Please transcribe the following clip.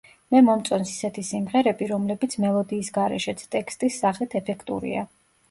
მე მომწონს ისეთი სიმღერები, რომლებიც მელოდიის გარეშეც, ტექსტის სახით, ეფექტურია.